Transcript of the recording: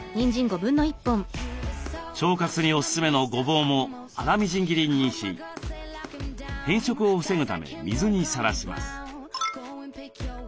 腸活におすすめのごぼうも粗みじん切りにし変色を防ぐため水にさらします。